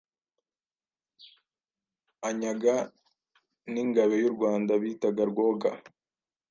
anyaga n’ingabe y’u Rwanda bitaga Rwoga.